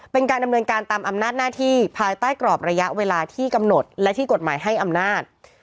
เป็นการดำเนินการตามอำนาจหน้าที่ภายใต้กรอบระยะเวลาที่กำหนดและที่กฎหมายให้อำนาจ